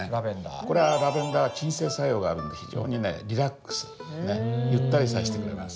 これはラベンダー鎮静作用があるんで非常にねリラックスゆったりさせてくれます。